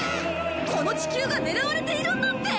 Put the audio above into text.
この地球が狙われているんだって！？